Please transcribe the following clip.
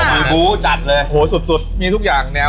ปีบู๊ดัดเลยโอ้ยสุดมีทุกอย่างแนว